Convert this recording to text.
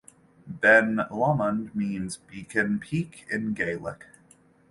Ben Lomond means "beacon peak" in Gaelic.